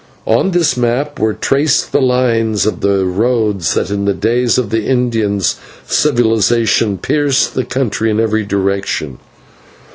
On this map were traced the lines of the roads that in the days of Indian civilisation pierced the country in every direction.